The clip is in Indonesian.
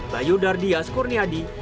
bayu dardiyas kurniadi